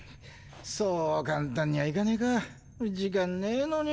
そう簡単にはいかねぇか時間ねぇのに。